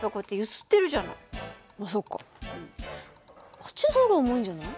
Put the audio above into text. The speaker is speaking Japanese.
こっちの方が重いんじゃない？